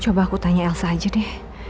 coba aku tanya elsa aja deh